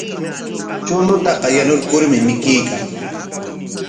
Chuñutaqa yanurkurmi mikuyan.